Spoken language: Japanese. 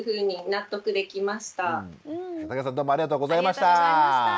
竹田さんどうもありがとうございました。